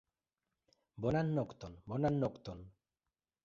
Bonan nokton, bonan nokton!